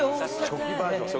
初期バージョンの。